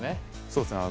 そうですね